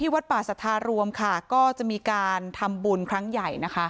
วัดป่าสัทธารวมค่ะก็จะมีการทำบุญครั้งใหญ่นะคะ